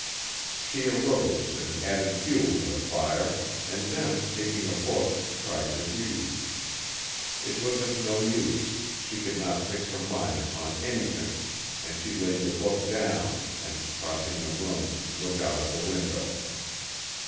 She arose and added fuel to the fire, and then, taking a book, tried to read. It was of no use, she could not fix her mind upon anything, and she laid the book down and, crossing the room, looked out of the window.